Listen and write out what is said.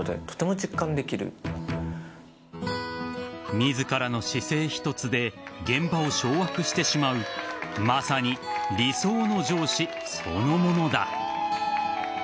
自らの姿勢一つで現場を掌握してしまうまさに、理想の上司そのものだ。